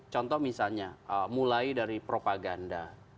contoh misalnya mulai dari propaganda